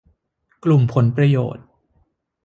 กลุ่มผลประโยชน์